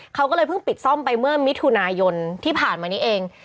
เขาก็เลยเพิ่งปิดซ่อมไปเมื่อมิถุนายนที่ผ่านมานี้เอง